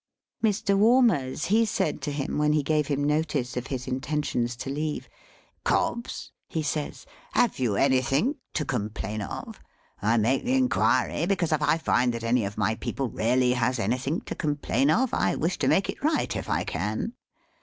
Mr. Walmers, he said to him when he gave him notice of his intentions to leave, "Cobbs," he says, "have you anythink to complain of? I make the inquiry because if I find that any of my people really has anythink to complain of, I wish to make it right if I can."